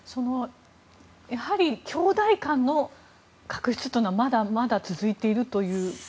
やはり兄弟間の確執というのはまだまだ続いているという。